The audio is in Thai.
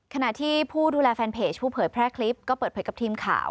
ขณะที่ผู้ดูแลแฟนเพจผู้เผยแพร่คลิปก็เปิดเผยกับทีมข่าว